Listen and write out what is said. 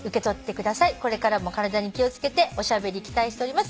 「これからも体に気を付けておしゃべり期待しております」